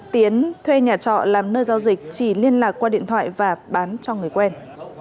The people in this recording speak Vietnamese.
tiến thuê nhà trọ làm nơi giao dịch chỉ liên lạc qua điện thoại và bán cho người quen